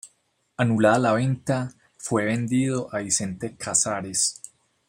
Anulada la venta, fue vendido a Vicente Casares.